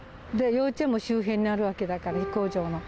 幼稚園も周辺にあるわけだから、飛行場の。